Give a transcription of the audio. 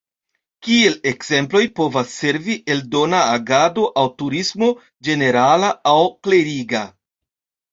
Kiel ekzemploj povas servi eldona agado aŭ turismo (ĝenerala aŭ kleriga).